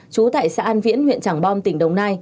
chú tệ xã an viễn huyện tràng bom tỉnh đồng nai